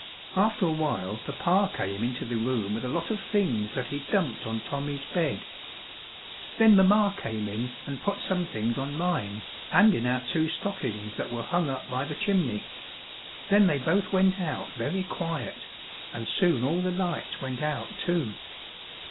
After a while papa came into the room with a lot of things that he dumped on Tommy's bed. Then mamma came in and put some things on mine and in our two stockings that were hung up by the chimney. Then they both went out very quiet, and soon all the lights went out too.